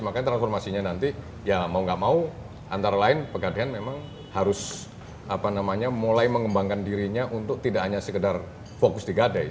makanya transformasinya nanti ya mau nggak mau antara lain pegadaian memang harus mulai mengembangkan dirinya untuk tidak hanya sekedar fokus di gade